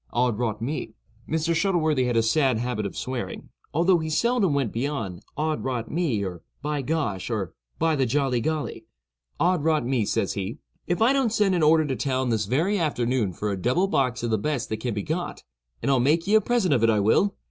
Od rot me,"—(Mr. Shuttleworthy had a sad habit of swearing, although he seldom went beyond "Od rot me," or "By gosh," or "By the jolly golly,")—"Od rot me," says he, "if I don't send an order to town this very afternoon for a double box of the best that can be got, and I'll make ye a present of it, I will!